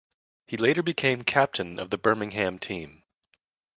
He later became captain of the Birmingham team.